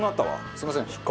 すみません。